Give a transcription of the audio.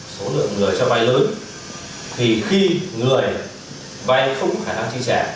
số lượng người cho vay lớn thì khi người vay không có khả năng chi trả